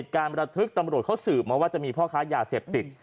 การประทึกตำรวจเขาสืบมาว่าจะมีพ่อค้ายาเสพติด